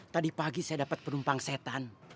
tadi pagi saya dapat penumpang setan